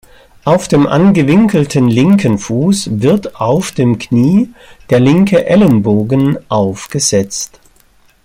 Auf dem angewinkelten linken Fuß wird auf dem Knie der linke Ellenbogen aufgesetzt.